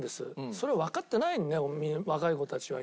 それをわかってないね若い子たちは今ね。